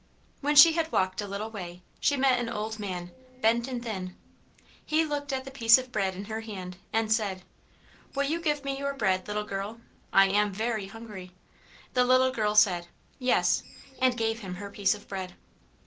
When she had walked a little way, she met an old man, bent and thin. He looked at the piece of bread in her hand, and said, "Will you give me your bread, little girl? I am very hungry." The little girl said, "Yes," and gave him her piece of bread.